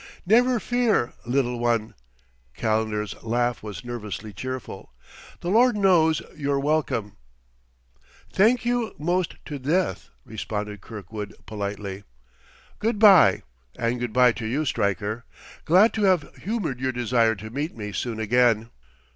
"Never fear, little one!" Calendar's laugh was nervously cheerful. "The Lord knows you're welcome." "Thank you 'most to death," responded Kirkwood politely. "Good by and good by to you, Stryker. 'Glad to have humored your desire to meet me soon again."